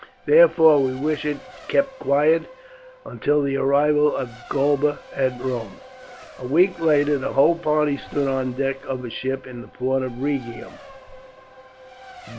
Therefore we wish it kept quiet until the arrival of Galba at Rome." A week later the whole party stood on the deck of a ship in the port of Rhegium.